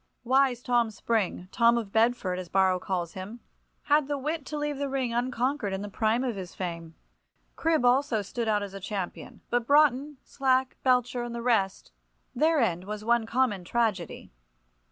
Wise Tom Spring—Tom of Bedford, as Borrow calls him—had the wit to leave the ring unconquered in the prime of his fame. Cribb also stood out as a champion. But Broughton, Slack, Belcher, and the rest—their end was one common tragedy.